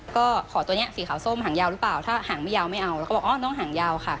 ก็ขอตัวนี้สีขาวส้มหางยาวหรือเปล่าถ้าหางไม่ยาวไม่เอาแล้วก็บอกอ๋อน้องหางยาวค่ะ